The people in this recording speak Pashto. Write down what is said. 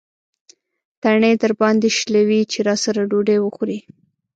تڼۍ درباندې شلوي چې راسره ډوډۍ وخورې.